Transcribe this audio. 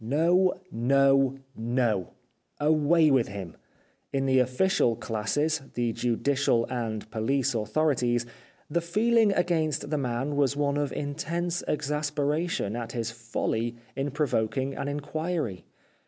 No ! No ! NO ! Away with him ! In the official classes, the judicial and police authorities, the feeling against the man was one of intense exasperation at his folly in provoking an inquiry.